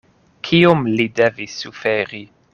Kiom li devis suferi!